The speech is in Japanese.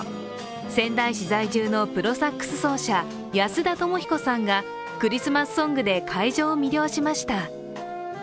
仙台市在住のプロサックス奏者安田智彦さんがクリスマスソングで会場を魅了しました。